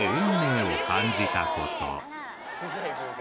・すげぇ偶然。